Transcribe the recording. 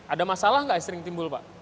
ada masalah nggak sering timbul pak